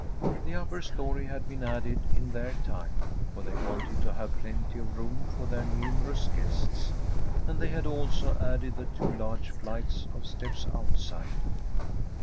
The upper story had been added in their time, for they wanted to have plenty of room for their numerous guests ; and they had also added the two large flights of steps outside.